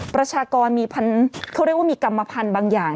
ประชากรมีเขาเรียกว่ามีกรรมพันธุ์บางอย่าง